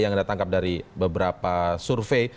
yang anda tangkap dari beberapa survei